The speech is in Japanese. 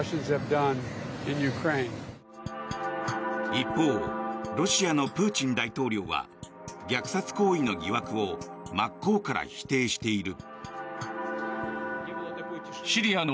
一方ロシアのプーチン大統領は虐殺行為の疑惑を真っ向から否定している。